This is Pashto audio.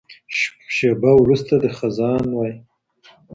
شېبه وروسته دی خزان وای